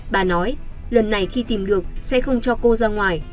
bà nói lần này khi tìm được sẽ không cho cô ra ngoài